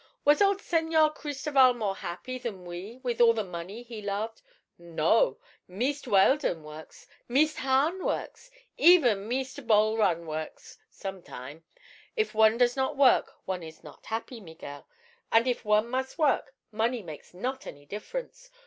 "Was old Señor Cristoval more happy than we, with all the money he loved? No! Meest Weldon works; Meest Hahn works; even Meest Bul Run works—sometime. If one does not work, one is not happy, Miguel; an' if one mus' work, money makes not any difference.